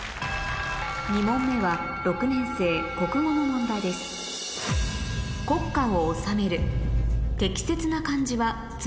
２問目は６年生国語の問題ですうん。